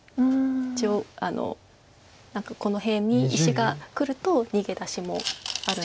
一応何かこの辺に石がくると逃げ出しもあるので。